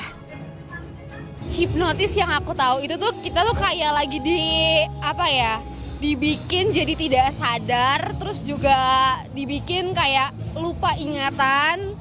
hipnotis yang aku tahu itu tuh kita tuh kayak lagi dibikin jadi tidak sadar terus juga dibikin kayak lupa ingatan